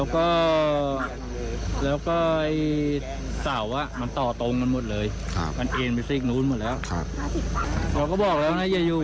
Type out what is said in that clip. เพราะว่ามันจะโค้น